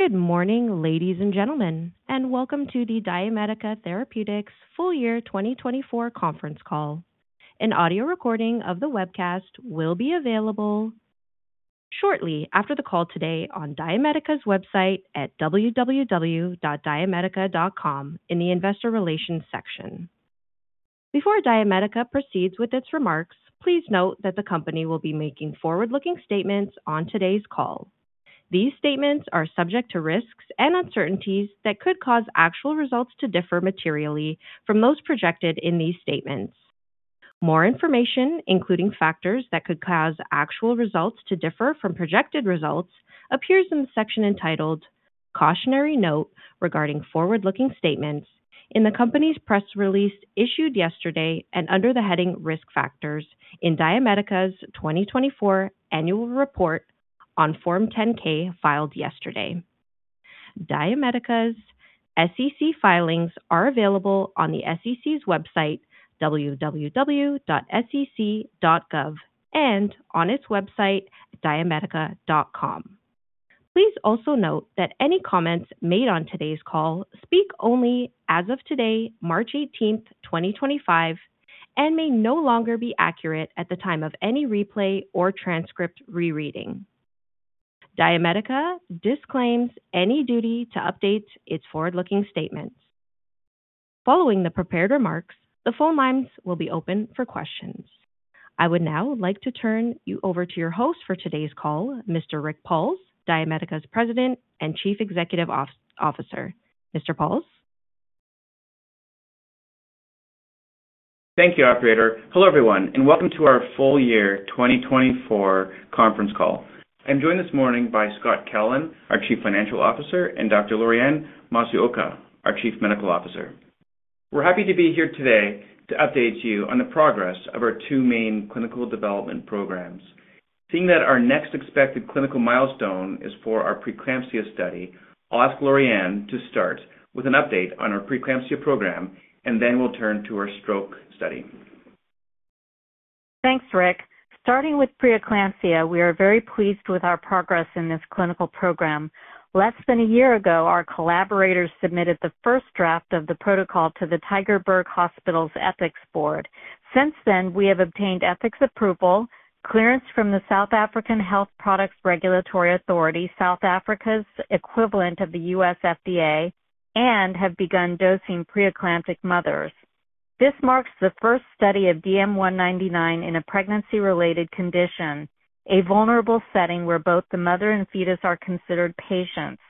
Good morning, ladies and gentlemen, and welcome to the DiaMedica Therapeutics Full Year 2024 Conference Call. An audio recording of the webcast will be available shortly after the call today on DiaMedica's website at www.diamedica.com in the Investor Relations section. Before DiaMedica proceeds with its remarks, please note that the company will be making forward-looking statements on today's call. These statements are subject to risks and uncertainties that could cause actual results to differ materially from those projected in these statements. More information, including factors that could cause actual results to differ from projected results, appears in the section entitled "Cautionary Note Regarding Forward-Looking Statements" in the company's press release issued yesterday and under the heading "Risk Factors" in DiaMedica's 2024 Annual Report on Form 10-K filed yesterday. DiaMedica's SEC filings are available on the SEC's website, www.sec.gov, and on its website, diamedica.com. Please also note that any comments made on today's call speak only as of today, March 18, 2025, and may no longer be accurate at the time of any replay or transcript rereading. DiaMedica disclaims any duty to update its forward-looking statements. Following the prepared remarks, the phone lines will be open for questions. I would now like to turn you over to your host for today's call, Mr. Rick Pauls, DiaMedica's President and Chief Executive Officer. Mr. Pauls? Thank you, Operator. Hello, everyone, and welcome to our Full Year 2024 Conference Call. I'm joined this morning by Scott Kellen, our Chief Financial Officer, and Dr. Lorianne Masuoka, our Chief Medical Officer. We're happy to be here today to update you on the progress of our two main clinical development programs. Seeing that our next expected clinical milestone is for our preeclampsia study, I'll ask Lorianne to start with an update on our preeclampsia program, and then we'll turn to our stroke study. Thanks, Rick. Starting with preeclampsia, we are very pleased with our progress in this clinical program. Less than a year ago, our collaborators submitted the first draft of the protocol to the Tygerberg Hospital's Ethics Board. Since then, we have obtained ethics approval, clearance from the South African Health Products Regulatory Authority, South Africa's equivalent of the U.S. FDA, and have begun dosing preeclamptic mothers. This marks the first study of DM199 in a pregnancy-related condition, a vulnerable setting where both the mother and fetus are considered patients.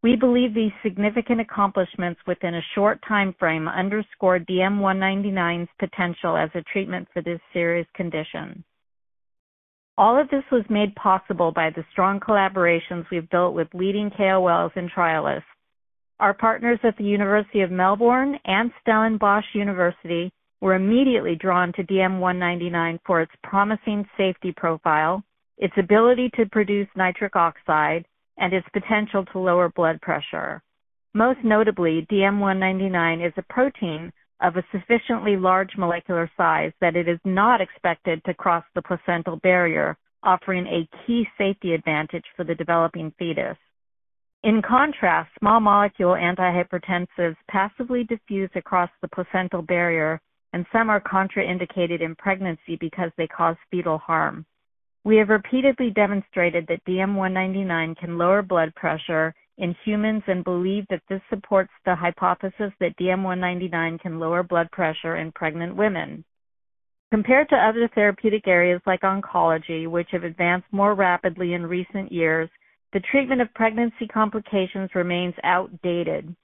We believe these significant accomplishments within a short timeframe underscore DM199's potential as a treatment for this serious condition. All of this was made possible by the strong collaborations we've built with leading KOLs and trialists. Our partners at the University of Melbourne and Stellenbosch University were immediately drawn to DM199 for its promising safety profile, its ability to produce nitric oxide, and its potential to lower blood pressure. Most notably, DM199 is a protein of a sufficiently large molecular size that it is not expected to cross the placental barrier, offering a key safety advantage for the developing fetus. In contrast, small molecule antihypertensives passively diffuse across the placental barrier, and some are contraindicated in pregnancy because they cause fetal harm. We have repeatedly demonstrated that DM199 can lower blood pressure in humans and believe that this supports the hypothesis that DM199 can lower blood pressure in pregnant women. Compared to other therapeutic areas like oncology, which have advanced more rapidly in recent years, the treatment of pregnancy complications remains outdated.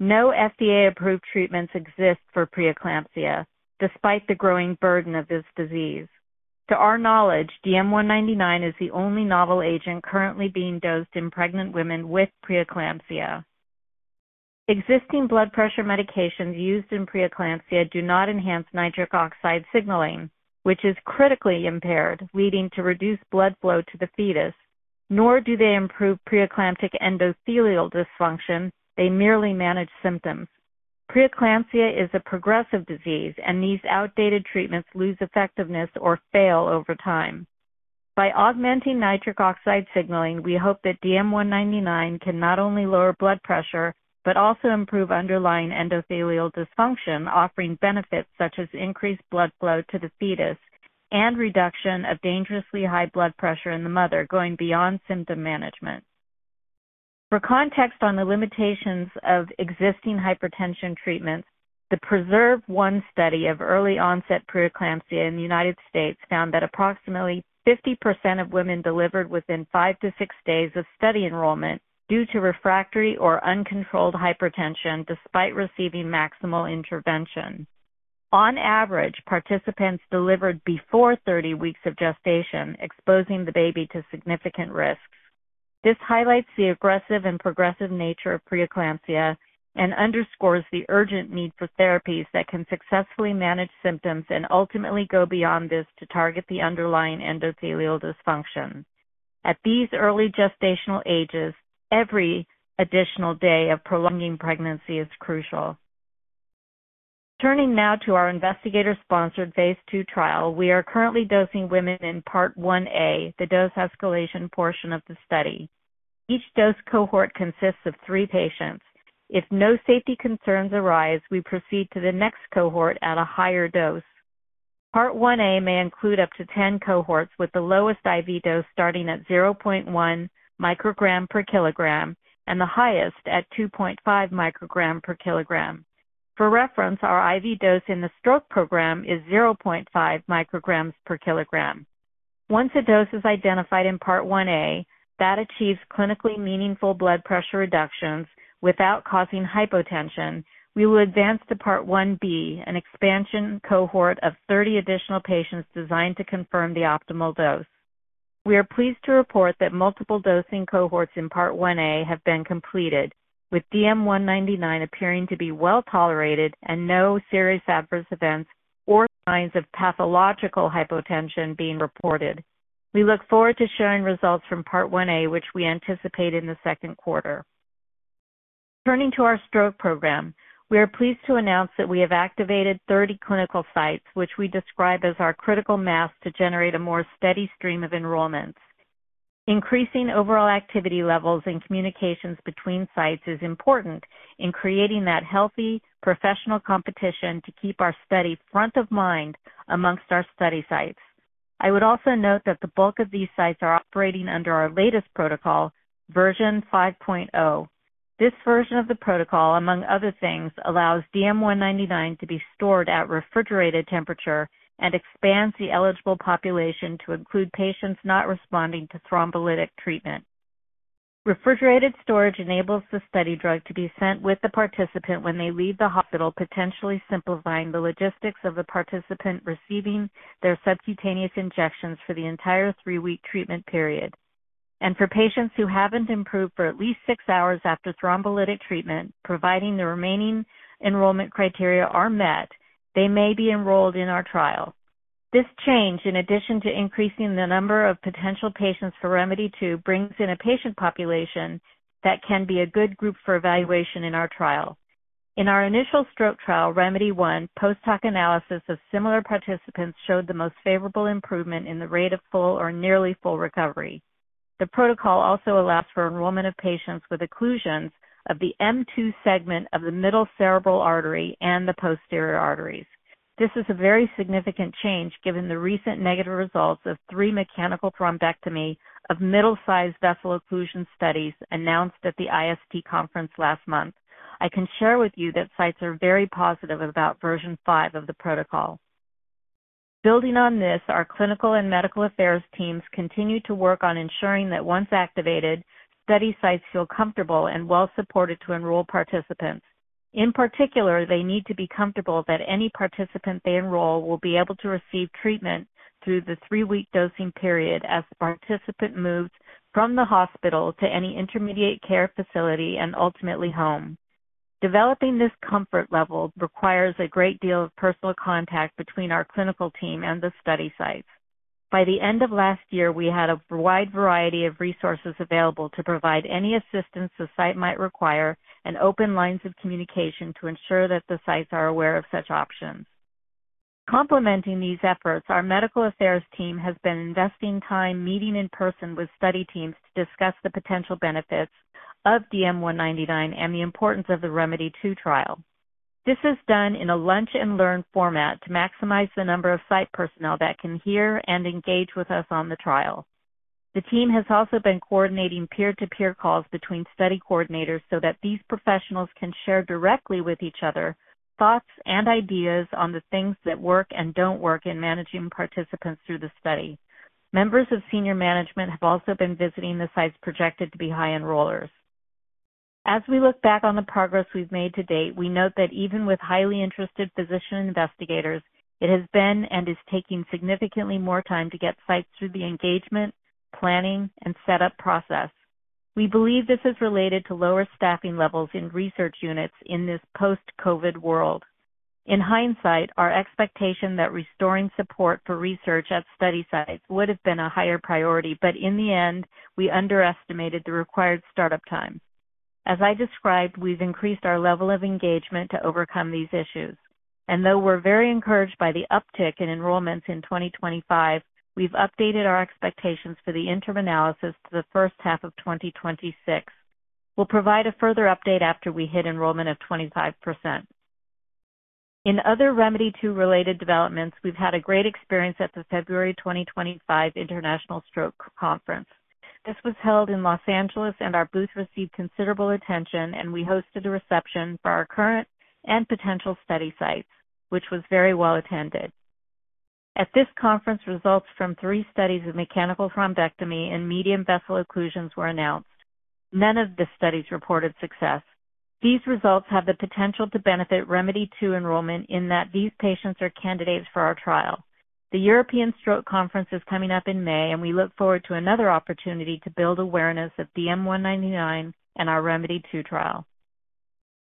No FDA-approved treatments exist for preeclampsia, despite the growing burden of this disease. To our knowledge, DM199 is the only novel agent currently being dosed in pregnant women with preeclampsia. Existing blood pressure medications used in preeclampsia do not enhance nitric oxide signaling, which is critically impaired, leading to reduced blood flow to the fetus, nor do they improve preeclamptic endothelial dysfunction; they merely manage symptoms. Preeclampsia is a progressive disease, and these outdated treatments lose effectiveness or fail over time. By augmenting nitric oxide signaling, we hope that DM199 can not only lower blood pressure but also improve underlying endothelial dysfunction, offering benefits such as increased blood flow to the fetus and reduction of dangerously high blood pressure in the mother, going beyond symptom management. For context on the limitations of existing hypertension treatments, the PRESERVE-1 study of early-onset preeclampsia in the United States found that approximately 50% of women delivered within five to six days of study enrollment due to refractory or uncontrolled hypertension despite receiving maximal intervention. On average, participants delivered before 30 weeks of gestation, exposing the baby to significant risks. This highlights the aggressive and progressive nature of preeclampsia and underscores the urgent need for therapies that can successfully manage symptoms and ultimately go beyond this to target the underlying endothelial dysfunction. At these early gestational ages, every additional day of prolonging pregnancy is crucial. Turning now to our investigator-sponsored phase two trial, we are currently dosing women in Part 1A, the dose escalation portion of the study. Each dose cohort consists of three patients. If no safety concerns arise, we proceed to the next cohort at a higher dose. Part 1A may include up to 10 cohorts, with the lowest IV dose starting at 0.1 mcg per kg and the highest at 2.5 mcg per kg. For reference, our IV dose in the stroke program is 0.5 mcg per kg. Once a dose is identified in Part 1A that achieves clinically meaningful blood pressure reductions without causing hypotension, we will advance to Part 1B, an expansion cohort of 30 additional patients designed to confirm the optimal dose. We are pleased to report that multiple dosing cohorts in Part 1A have been completed, with DM199 appearing to be well tolerated and no serious adverse events or signs of pathological hypotension being reported. We look forward to sharing results from Part 1A, which we anticipate in the second quarter. Turning to our stroke program, we are pleased to announce that we have activated 30 clinical sites, which we describe as our critical mass to generate a more steady stream of enrollments. Increasing overall activity levels and communications between sites is important in creating that healthy professional competition to keep our study front of mind amongst our study sites. I would also note that the bulk of these sites are operating under our latest protocol, Version 5.0. This version of the protocol, among other things, allows DM199 to be stored at refrigerated temperature and expands the eligible population to include patients not responding to thrombolytic treatment. Refrigerated storage enables the study drug to be sent with the participant when they leave the hospital, potentially simplifying the logistics of the participant receiving their subcutaneous injections for the entire three-week treatment period. For patients who haven't improved for at least six hours after thrombolytic treatment, providing the remaining enrollment criteria are met, they may be enrolled in our trial. This change, in addition to increasing the number of potential patients for ReMEDy2, brings in a patient population that can be a good group for evaluation in our trial. In our initial stroke trial, ReMEDy1 post-hoc analysis of similar participants showed the most favorable improvement in the rate of full or nearly full recovery. The protocol also allows for enrollment of patients with occlusions of the M2 segment of the middle cerebral artery and the posterior arteries. This is a very significant change given the recent negative results of three mechanical thrombectomy of middle-sized vessel occlusion studies announced at the IST conference last month. I can share with you that sites are very positive about Version 5 of the protocol. Building on this, our clinical and medical affairs teams continue to work on ensuring that once activated, study sites feel comfortable and well-supported to enroll participants. In particular, they need to be comfortable that any participant they enroll will be able to receive treatment through the three-week dosing period as the participant moves from the hospital to any intermediate care facility and ultimately home. Developing this comfort level requires a great deal of personal contact between our clinical team and the study sites. By the end of last year, we had a wide variety of resources available to provide any assistance the site might require and open lines of communication to ensure that the sites are aware of such options. In complementing these efforts, our medical affairs team has been investing time meeting in person with study teams to discuss the potential benefits of DM199 and the importance of the ReMEDy2 trial. This is done in a lunch-and-learn format to maximize the number of site personnel that can hear and engage with us on the trial. The team has also been coordinating peer-to-peer calls between study coordinators so that these professionals can share directly with each other thoughts and ideas on the things that work and don't work in managing participants through the study. Members of senior management have also been visiting the sites projected to be high enrollers. As we look back on the progress we've made to date, we note that even with highly interested physician investigators, it has been and is taking significantly more time to get sites through the engagement, planning, and setup process. We believe this is related to lower staffing levels in research units in this post-COVID world. In hindsight, our expectation that restoring support for research at study sites would have been a higher priority, but in the end, we underestimated the required startup time. As I described, we've increased our level of engagement to overcome these issues. Though we're very encouraged by the uptick in enrollments in 2025, we've updated our expectations for the interim analysis to the first half of 2026. We'll provide a further update after we hit enrollment of 25%. In other ReMEDy2-related developments, we've had a great experience at the February 2025 International Stroke Conference. This was held in Los Angeles, and our booth received considerable attention, and we hosted a reception for our current and potential study sites, which was very well attended. At this conference, results from three studies of mechanical thrombectomy and medium vessel occlusions were announced. None of the studies reported success. These results have the potential to benefit ReMEDy2 enrollment in that these patients are candidates for our trial. The European Stroke Conference is coming up in May, and we look forward to another opportunity to build awareness of DM199 and our ReMEDy2 trial.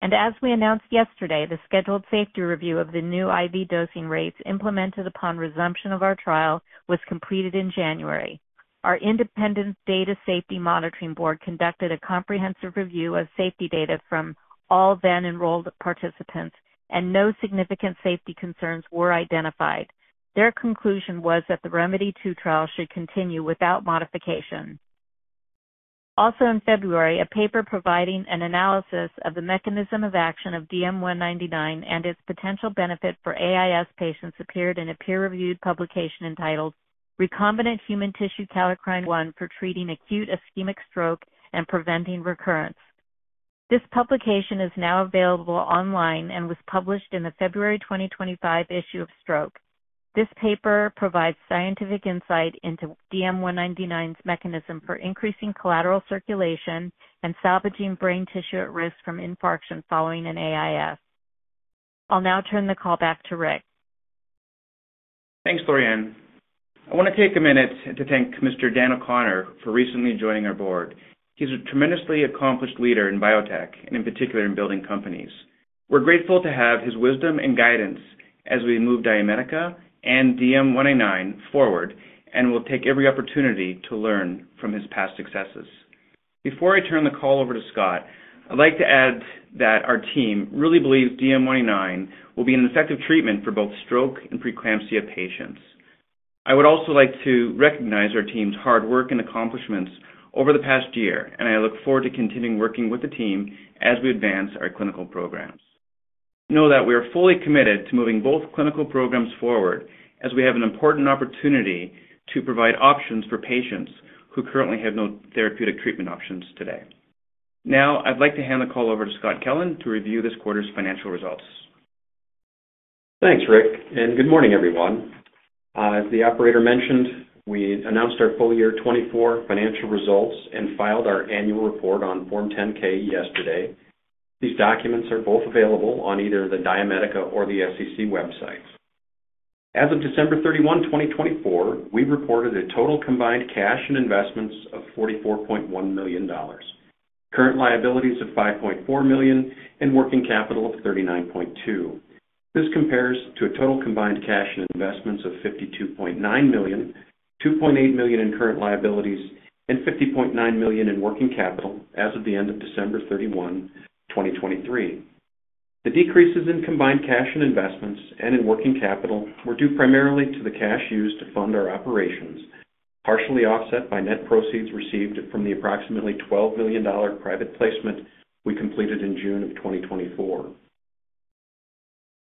As we announced yesterday, the scheduled safety review of the new IV dosing rates implemented upon resumption of our trial was completed in January. Our Independent Data Safety Monitoring Board conducted a comprehensive review of safety data from all then-enrolled participants, and no significant safety concerns were identified. Their conclusion was that the ReMEDy2 trial should continue without modification. Also, in February, a paper providing an analysis of the mechanism of action of DM199 and its potential benefit for AIS patients appeared in a peer-reviewed publication entitled "Recombinant Human Tissue Kallikrein-1 for Treating Acute Ischemic Stroke and Preventing Recurrence." This publication is now available online and was published in the February 2025 issue of Stroke. This paper provides scientific insight into DM199's mechanism for increasing collateral circulation and salvaging brain tissue at risk from infarction following an AIS. I'll now turn the call back to Rick. Thanks, Lorianne. I want to take a minute to thank Mr. Dan O'Connor for recently joining our board. He's a tremendously accomplished leader in biotech, and in particular in building companies. We're grateful to have his wisdom and guidance as we move DM199 and DM199 forward and will take every opportunity to learn from his past successes. Before I turn the call over to Scott, I'd like to add that our team really believes DM199 will be an effective treatment for both stroke and preeclampsia patients. I would also like to recognize our team's hard work and accomplishments over the past year, and I look forward to continuing working with the team as we advance our clinical programs. Know that we are fully committed to moving both clinical programs forward as we have an important opportunity to provide options for patients who currently have no therapeutic treatment options today. Now, I'd like to hand the call over to Scott Kellen to review this quarter's financial results. Thanks, Rick. Good morning, everyone. As the operator mentioned, we announced our full year 2024 financial results and filed our annual report on Form 10-K yesterday. These documents are both available on either the DiaMedica or the SEC websites. As of December 31, 2024, we reported a total combined cash and investments of 44.1 million dollars, current liabilities of 5.4 million, and working capital of 39.2 million. This compares to a total combined cash and investments of 52.9 million, 2.8 million in current liabilities, and 50.9 million in working capital as of the end of December 31, 2023. The decreases in combined cash and investments and in working capital were due primarily to the cash used to fund our operations, partially offset by net proceeds received from the approximately 12 million dollar private placement we completed in June of 2024.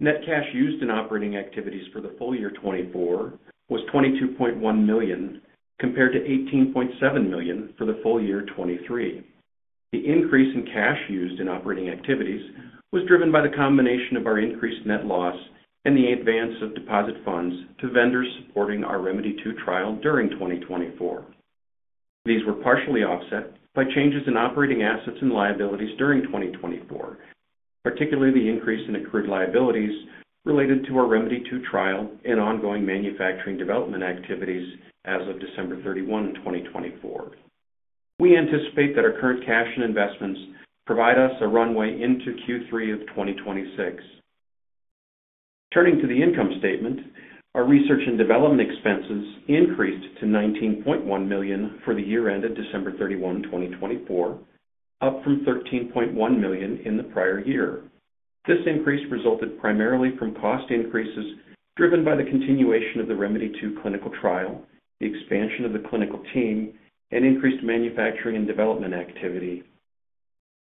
Net cash used in operating activities for the full year 2024 was 22.1 million, compared to 18.7 million for the full year 2023. The increase in cash used in operating activities was driven by the combination of our increased net loss and the advance of deposit funds to vendors supporting our ReMEDy2 trial during 2024. These were partially offset by changes in operating assets and liabilities during 2024, particularly the increase in accrued liabilities related to our ReMEDy2 trial and ongoing manufacturing development activities as of December 31, 2024. We anticipate that our current cash and investments provide us a runway into Q3 of 2026. Turning to the income statement, our research and development expenses increased to 19.1 million for the year ended December 31, 2024, up from 13.1 million in the prior year. This increase resulted primarily from cost increases driven by the continuation of the ReMEDy2 clinical trial, the expansion of the clinical team, and increased manufacturing and development activity.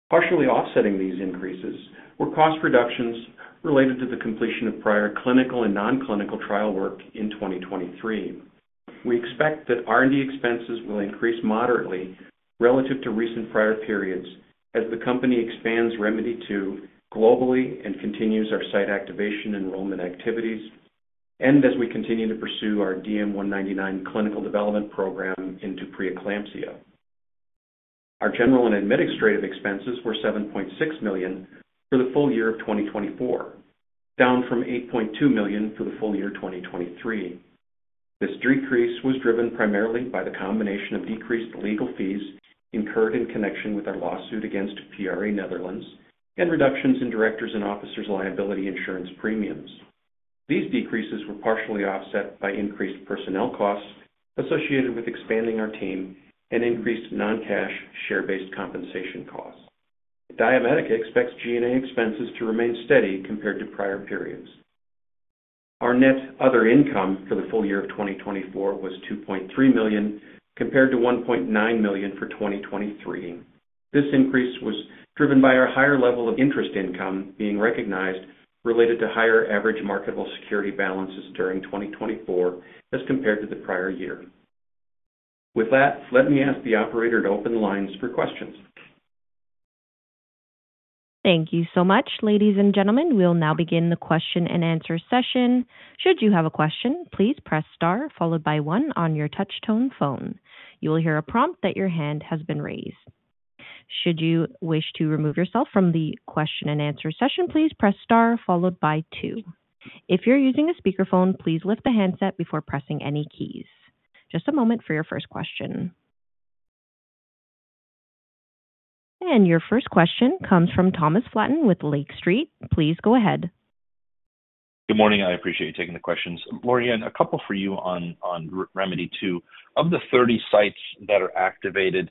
Partially offsetting these increases were cost reductions related to the completion of prior clinical and non-clinical trial work in 2023. We expect that R&D expenses will increase moderately relative to recent prior periods as the company expands ReMEDy2 globally and continues our site activation enrollment activities, and as we continue to pursue our DM199 clinical development program into preeclampsia. Our general and administrative expenses were 7.6 million for the full year of 2024, down from 8.2 million for the full year 2023. This decrease was driven primarily by the combination of decreased legal fees incurred in connection with our lawsuit against PRA Netherlands and reductions in directors and officers' liability insurance premiums. These decreases were partially offset by increased personnel costs associated with expanding our team and increased non-cash share-based compensation costs. DiaMedica expects G&A expenses to remain steady compared to prior periods. Our net other income for the full year of 2024 was 2.3 million, compared to 1.9 million for 2023. This increase was driven by our higher level of interest income being recognized related to higher average marketable security balances during 2024 as compared to the prior year. With that, let me ask the operator to open the lines for questions. Thank you so much, ladies and gentlemen. We'll now begin the question and answer session. Should you have a question, please press star followed by one on your touch-tone phone. You will hear a prompt that your hand has been raised. Should you wish to remove yourself from the question and answer session, please press star followed by two. If you're using a speakerphone, please lift the handset before pressing any keys. Just a moment for your first question. Your first question comes from Thomas Flaten with Lake Street. Please go ahead. Good morning. I appreciate you taking the questions. Lorianne, a couple for you on ReMEDy2. Of the 30 sites that are activated,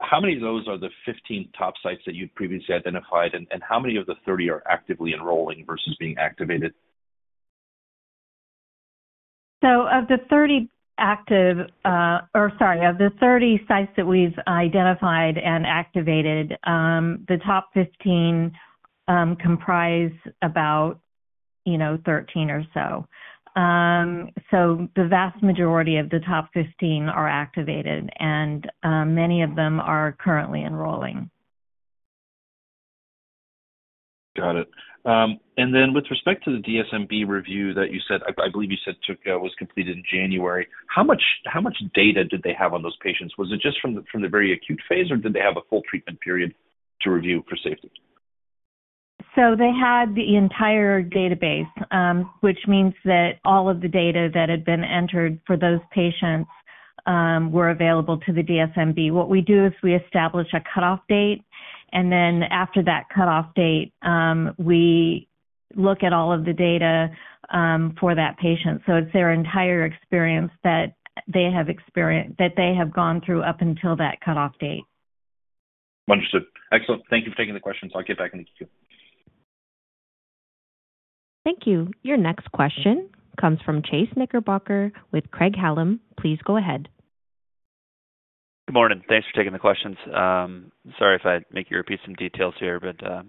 how many of those are the 15 top sites that you've previously identified, and how many of the 30 are actively enrolling versus being activated? Of the 30 sites that we've identified and activated, the top 15 comprise about 13 or so. The vast majority of the top 15 are activated, and many of them are currently enrolling. Got it. With respect to the DSMB review that you said, I believe you said was completed in January, how much data did they have on those patients? Was it just from the very acute phase, or did they have a full treatment period to review for safety? They had the entire database, which means that all of the data that had been entered for those patients were available to the DSMB. What we do is we establish a cutoff date, and then after that cutoff date, we look at all of the data for that patient. It is their entire experience that they have gone through up until that cutoff date. Understood. Excellent. Thank you for taking the questions. I'll get back into queue. Thank you. Your next question comes from Chase Knickerbocker with Craig-Hallum. Please go ahead. Good morning. Thanks for taking the questions. Sorry if I make you repeat some details here, but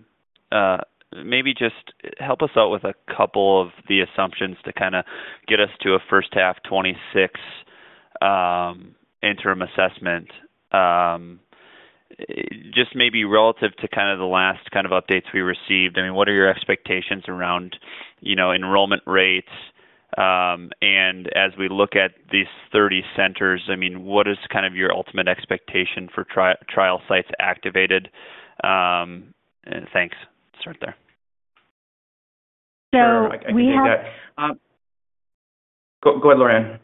maybe just help us out with a couple of the assumptions to kind of get us to a first half 2026 interim assessment. Just maybe relative to kind of the last kind of updates we received, I mean, what are your expectations around enrollment rates? And as we look at these 30 centers, I mean, what is kind of your ultimate expectation for trial sites activated? Thanks. Start there. So we have— Go ahead, Lorianne.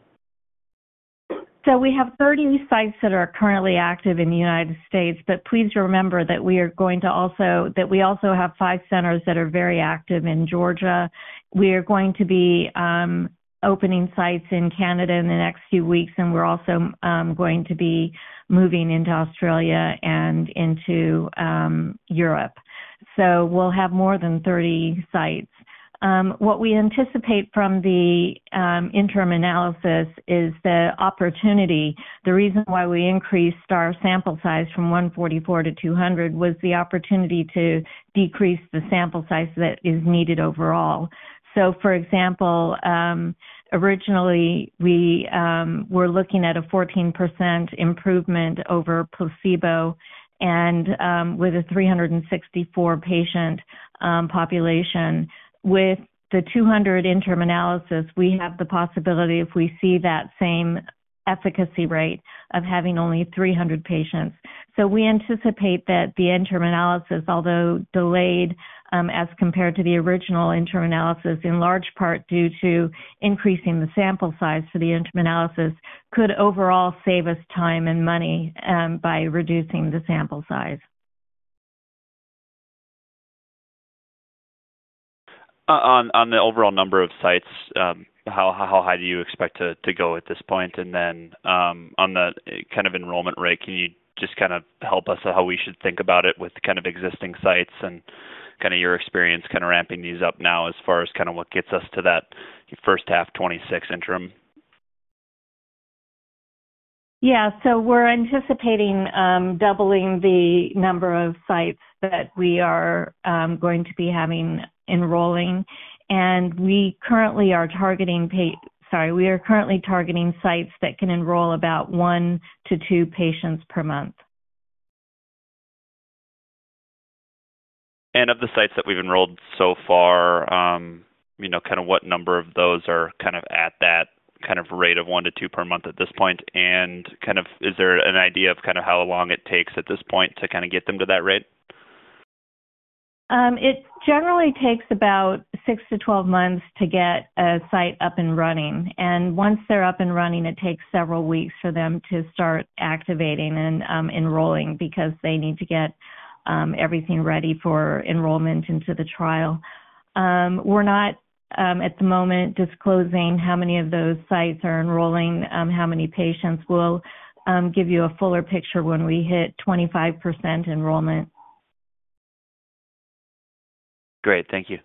We have 30 sites that are currently active in the United States, but please remember that we are going to also—that we also have five centers that are very active in Georgia. We are going to be opening sites in Canada in the next few weeks, and we are also going to be moving into Australia and into Europe. We will have more than 30 sites. What we anticipate from the interim analysis is the opportunity. The reason why we increased our sample size from 144 to 200 was the opportunity to decrease the sample size that is needed overall. For example, originally, we were looking at a 14% improvement over placebo and with a 364-patient population. With the 200 interim analysis, we have the possibility if we see that same efficacy rate of having only 300 patients. We anticipate that the interim analysis, although delayed as compared to the original interim analysis, in large part due to increasing the sample size for the interim analysis, could overall save us time and money by reducing the sample size. On the overall number of sites, how high do you expect to go at this point? On the kind of enrollment rate, can you just kind of help us how we should think about it with kind of existing sites and your experience kind of ramping these up now as far as what gets us to that first half 2026 interim? Yeah. We are anticipating doubling the number of sites that we are going to be having enrolling. We currently are targeting sites that can enroll about one to two patients per month. Of the sites that we've enrolled so far, what number of those are at that rate of one to two per month at this point? Is there an idea of how long it takes at this point to get them to that rate? It generally takes about six to 12 months to get a site up and running. Once they're up and running, it takes several weeks for them to start activating and enrolling because they need to get everything ready for enrollment into the trial. We're not, at the moment, disclosing how many of those sites are enrolling, how many patients. We'll give you a fuller picture when we hit 25% enrollment. Great. Thank you.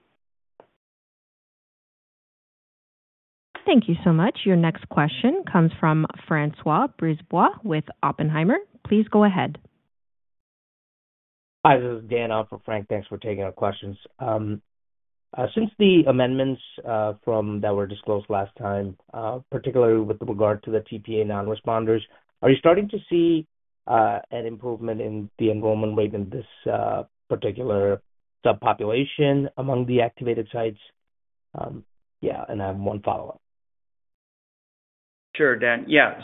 Thank you so much. Your next question comes from François Brisebois with Oppenheimer. Please go ahead. Hi, this is Daniel, for Frank. Thanks for taking our questions. Since the amendments that were disclosed last time, particularly with regard to the tPA non-responders, are you starting to see an improvement in the enrollment rate in this particular subpopulation among the activated sites? Yeah. I have one follow-up. Sure, Dan. Yeah.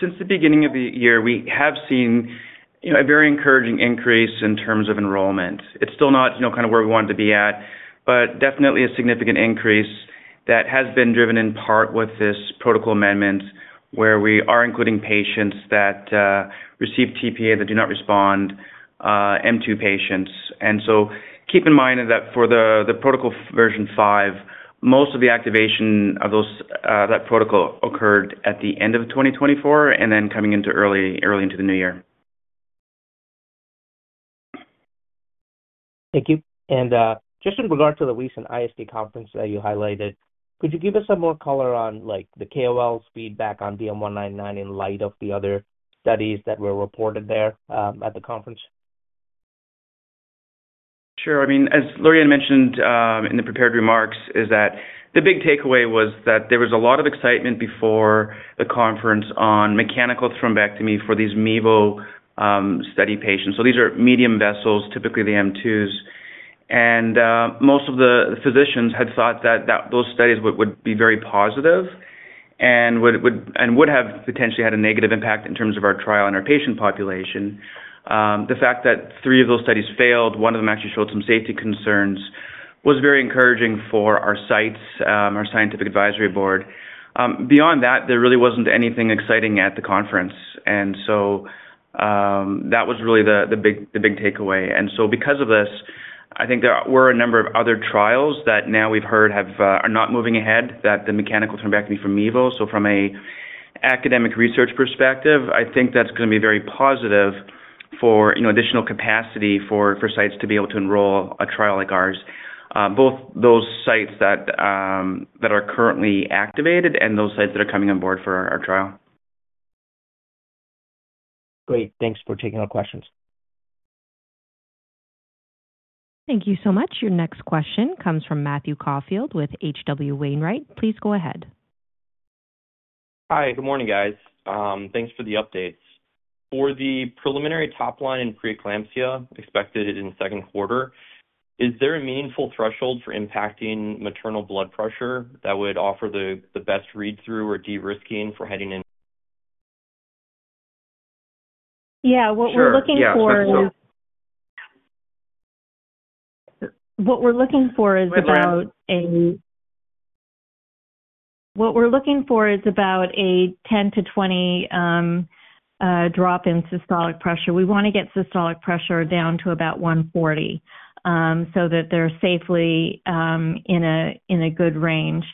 Since the beginning of the year, we have seen a very encouraging increase in terms of enrollment. It's still not kind of where we wanted to be at, but definitely a significant increase that has been driven in part with this protocol amendment where we are including patients that receive tPA that do not respond, M2 patients. Keep in mind that for the protocol version five, most of the activation of that protocol occurred at the end of 2024 and then coming into early into the new year. Thank you. Just in regard to the recent ISC conference that you highlighted, could you give us some more color on the KOL's feedback on DM199 in light of the other studies that were reported there at the conference? Sure. I mean, as Lorianne mentioned in the prepared remarks, the big takeaway was that there was a lot of excitement before the conference on mechanical thrombectomy for these MeVO study patients. So these are medium vessels, typically the M2s. And most of the physicians had thought that those studies would be very positive and would have potentially had a negative impact in terms of our trial and our patient population. The fact that three of those studies failed, one of them actually showed some safety concerns, was very encouraging for our sites, our scientific advisory board. Beyond that, there really wasn't anything exciting at the conference. That was really the big takeaway. Because of this, I think there were a number of other trials that now we've heard are not moving ahead that the mechanical thrombectomy for MeVO. From an academic research perspective, I think that's going to be very positive for additional capacity for sites to be able to enroll a trial like ours, both those sites that are currently activated and those sites that are coming on board for our trial. Great. Thanks for taking our questions. Thank you so much. Your next question comes from Matthew Caufield with H.C. Wainwright. Please go ahead. Hi. Good morning, guys. Thanks for the updates. For the preliminary top line in preeclampsia expected in the second quarter, is there a meaningful threshold for impacting maternal blood pressure that would offer the best read-through or de-risking for heading in? Yeah. What we're looking for is about a—what we're looking for is about a 10-20 drop in systolic pressure. We want to get systolic pressure down to about 140 so that they're safely in a good range.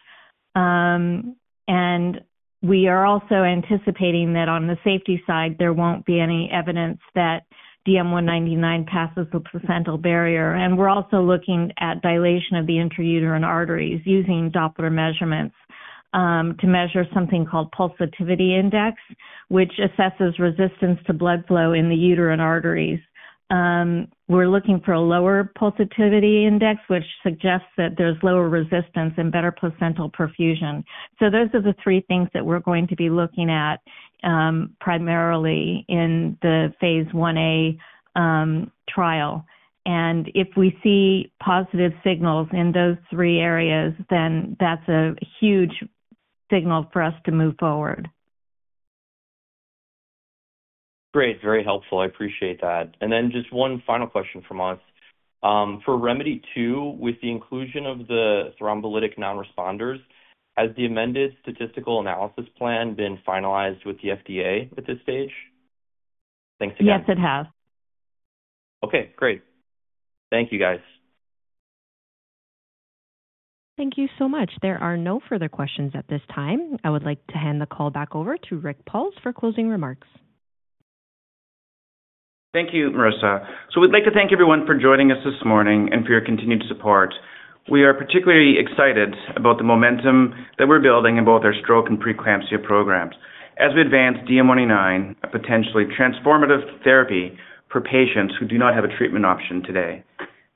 We are also anticipating that on the safety side, there will not be any evidence that DM199 passes the placental barrier. We are also looking at dilation of the intrauterine arteries using Doppler measurements to measure something called pulsatility index, which assesses resistance to blood flow in the uterine arteries. We are looking for a lower pulsatility index, which suggests that there is lower resistance and better placental perfusion. Those are the three things that we are going to be looking at primarily in the phase 1A trial. If we see positive signals in those three areas, that is a huge signal for us to move forward. Great. Very helpful. I appreciate that. Just one final question from us. For ReMEDy2, with the inclusion of the thrombolytic non-responders, has the amended statistical analysis plan been finalized with the FDA at this stage? Thanks again. Yes, it has. Okay. Great. Thank you, guys. Thank you so much. There are no further questions at this time. I would like to hand the call back over to Rick Pauls for closing remarks. Thank you, Marissa. We would like to thank everyone for joining us this morning and for your continued support. We are particularly excited about the momentum that we are building in both our stroke and preeclampsia programs. As we advance DM199, a potentially transformative therapy for patients who do not have a treatment option today,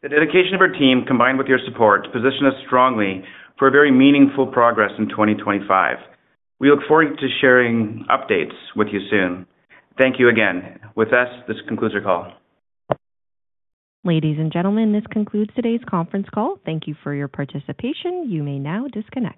the dedication of our team combined with your support positions us strongly for very meaningful progress in 2025. We look forward to sharing updates with you soon. Thank you again. With this, this concludes our call. Ladies and gentlemen, this concludes today's conference call. Thank you for your participation. You may now disconnect.